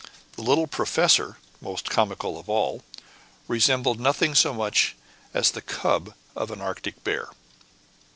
The little professor, most comical of all, resembled nothing so much as the cub of an Arctic bear.